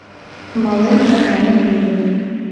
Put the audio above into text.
Малем да малем ыле...